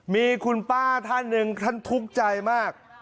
มีคุณป้าท่านหนึ่งท่านทุกข์ใจมาก